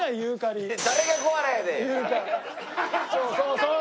そうそう